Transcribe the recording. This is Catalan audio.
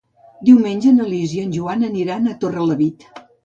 Diumenge na Lis i en Joan aniran a Torrelavit.